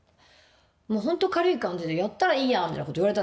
本当軽い感じで「やったらいいやん」みたいなこと言われたんですよ。